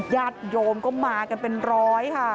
ญาติโยมก็มากันเป็นร้อยค่ะ